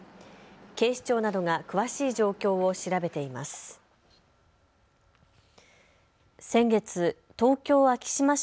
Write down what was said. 警視庁などが詳しい状況を調べています。